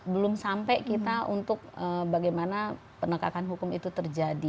belum sampai kita untuk bagaimana penegakan hukum itu terjadi